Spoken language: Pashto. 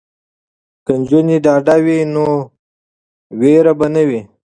که نجونې ډاډه وي نو ویره به نه وي.